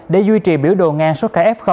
để duy trì biểu đồ ngang số kẻ f